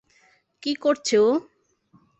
কী করছে ও?